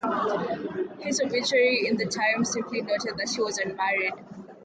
His obituary in "The Times" simply noted that he was unmarried.